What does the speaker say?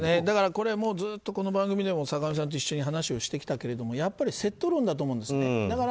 だから、これはずっとこの番組でも坂上さんと一緒に話してきたけどやっぱりセット論だと思うんです。